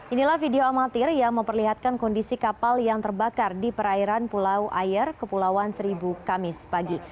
inilah video amatir yang memperlihatkan kondisi kapal yang terbakar di perairan pulau air kepulauan seribu kamis pagi